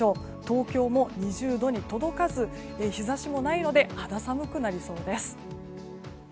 東京も２０度に届かず日差しもないので肌寒くなりそうです。